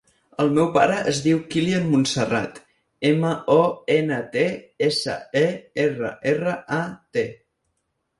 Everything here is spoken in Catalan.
El meu pare es diu Kilian Montserrat: ema, o, ena, te, essa, e, erra, erra, a, te.